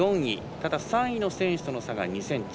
ただ、３位の選手との差が２ｃｍ。